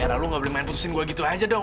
era lu gak boleh main putusin gua gitu aja dong